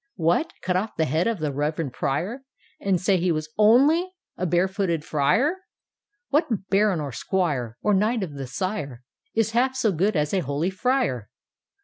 What! cut off the head of the Reverend Prior, And say he was ' onfy (!!!) a bare footed Friar! '—' What Baron or Squire, Or Knight of the shiie Is half so good as a holy Friar?